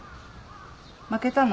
負けたの？